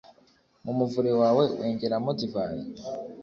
mu muvure wawe wengeramo divayi: